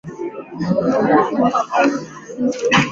延平柿为柿科柿属下的一个种。